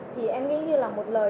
thì em nghĩ như là một lời